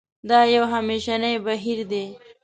دا یو همېشنی بهیر دی.